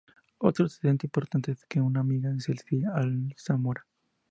Otro antecedente importante es que una amiga de Cecilia Alzamora.